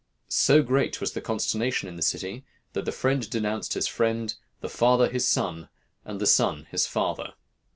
So great was the consternation in the city, that the friend denounced his friend, the father his son, and the son his father.